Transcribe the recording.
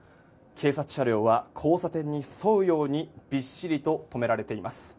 警察車両は交差点に沿うようにびっしりと止められています。